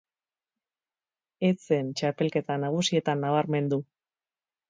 Ez zen txapelketa nagusietan nabarmendu.